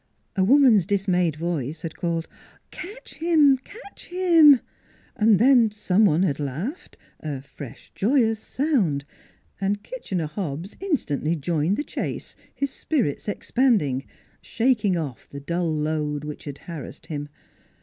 A woman's dismayed voice had called " Catch him ! Catch him !" Then some one had laughed a fresh, joyous sound and Kitchener Hobbs in stantly joined the chase, his spirits expanding, shaking off the dull load which had harassed him.